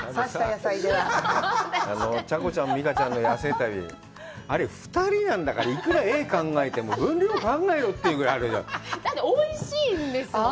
チャコちゃん・美佳ちゃんの野生旅あれ２人なんだからいくら画考えても分量考えろっていうぐらいあるだっておいしいんですもん